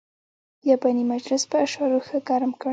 بیاباني مجلس په اشعارو ښه ګرم کړ.